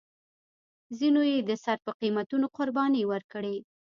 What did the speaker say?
ځینو یې د سر په قیمتونو قربانۍ ورکړې.